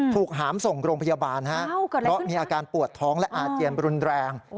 หามส่งโรงพยาบาลฮะเพราะมีอาการปวดท้องและอาเจียนรุนแรง